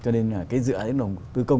cho nên là cái dự án tư công